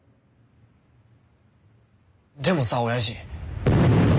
でもさおやじ。